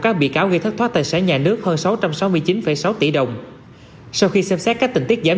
các bị cáo gây thất thoát tài sản nhà nước hơn sáu trăm sáu mươi chín sáu tỷ đồng sau khi xem xét các tình tiết giảm